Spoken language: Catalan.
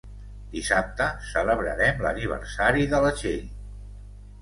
Dissabte celebrarem l'aniversari de la Txell.